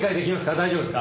大丈夫ですか？